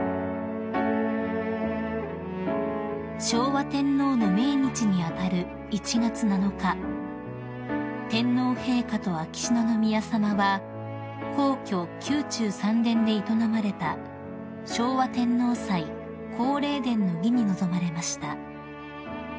［昭和天皇の命日に当たる１月７日天皇陛下と秋篠宮さまは皇居宮中三殿で営まれた昭和天皇祭皇霊殿の儀に臨まれました］